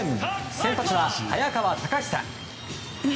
先発は、早川隆久。